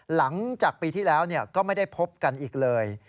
หลังจากปีที่แล้วก็ไม่ได้พบกันอีกเลย